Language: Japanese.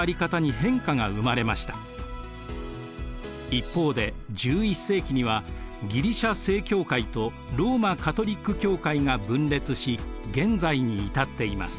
一方で１１世紀にはギリシア正教会とローマ・カトリック教会が分裂し現在に至っています。